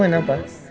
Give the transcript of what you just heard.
main apa sih